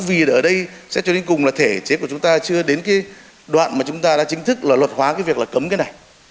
vì ở đây sẽ cho đến cùng là thể chế của chúng ta chưa đến cái đoạn mà chúng ta đã chính thức là luật hóa cái việc là cấm cái này